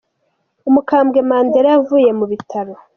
Umukambwe Mandela yavuye mu bitaro